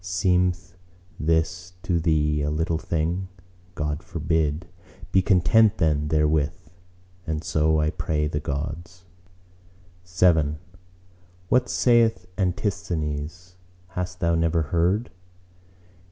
Seemth this to thee a little thing?"—God forbid!—"Be content then therewith!" And so I pray the Gods. VII What saith Antisthenes? Hast thou never heard?